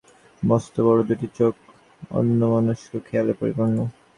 শরীরটি কৃশ কিন্তু কঠিন, মাথাটা মস্ত, বড়ো দুইটি চোখ অন্যমনস্ক খেয়ালে পরিপূর্ণ।